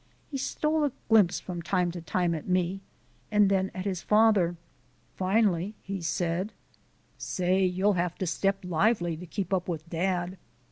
He stole a glimpse from time to time at me then at his father. Finally he said: "Say, you'll have to step lively to keep up with dad."